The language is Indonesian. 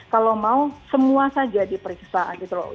kalau mau semua saja diperiksa gitu loh